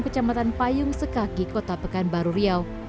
kecamatan payung sekaki kota pekan baru riau